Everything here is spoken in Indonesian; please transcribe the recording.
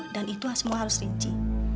dan itu semua harus rinci